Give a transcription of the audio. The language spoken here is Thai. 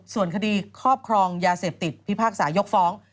ส่วนคดีครอบครองยาเสพติดพิพากษายกฟ้อง